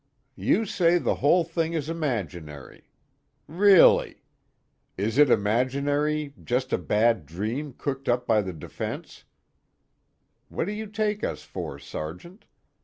"You say the whole thing is imaginary. Really! Is it imaginary, just a bad dream cooked up by the defense what do you take us for, Sergeant?